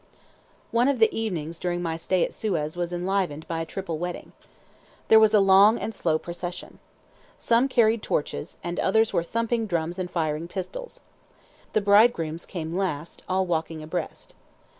One of the evenings during my stay at Suez was enlivened by a triple wedding. There was a long and slow procession. Some carried torches, and others were thumping drums and firing pistols. The bridegrooms came last, all walking abreast.